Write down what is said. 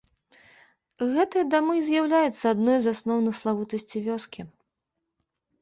Гэтыя дамы і з'яўляюцца адной з асноўных славутасцей вёскі.